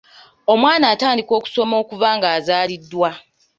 Omwana atandika okusoma okuva ng’azaaliddwa.